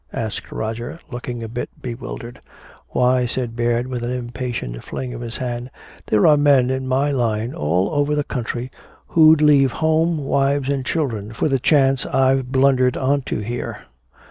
asked Roger, looking a bit bewildered. "Why," said Baird with an impatient fling of his hand, "there are men in my line all over the country who'd leave home, wives and children for the chance I've blundered onto here!